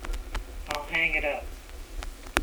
I'll hang it up.